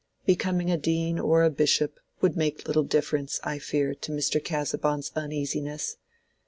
Becoming a dean or even a bishop would make little difference, I fear, to Mr. Casaubon's uneasiness.